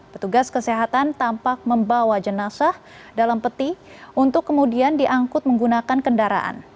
petugas kesehatan tampak membawa jenazah dalam peti untuk kemudian diangkut menggunakan kendaraan